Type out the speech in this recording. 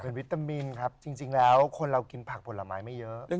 เป็นวิตามินครับจริงแล้วคนเรากินผักผลไม้ไม่เยอะ